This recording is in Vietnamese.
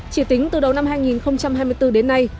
chỉ tính từ đầu năm hai nghìn hai mươi bốn đến nay